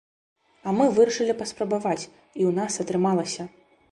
А мы вырашылі паспрабаваць, і ў нас атрымалася.